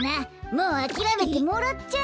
もうあきらめてもらっちゃえよ。